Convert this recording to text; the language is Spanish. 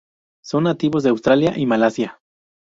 Son nativos de Australia y Malasia.